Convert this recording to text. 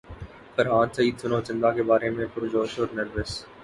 فرحان سعید سنو چندا کے بارے میں پرجوش اور نروس